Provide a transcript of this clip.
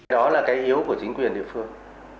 đó là cái yếu của chính quyền địa phương